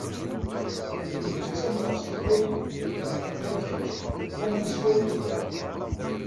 Nekk ttamneɣ s teqbaylit, ma d kečč amen s wayen i tebɣiḍ.